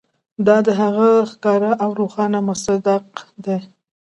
دا د هغه ښکاره او روښانه مصداق دی.